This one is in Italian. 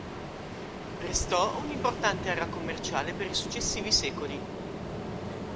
Restò un'importante area commerciale per i successivi secoli.